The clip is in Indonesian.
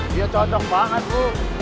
dia cocok banget bu